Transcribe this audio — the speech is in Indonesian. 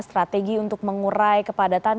strategi untuk mengurai kepadatan